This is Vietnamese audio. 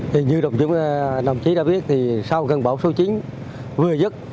thì như đồng chí đã biết thì sau gần bão số chín vừa dứt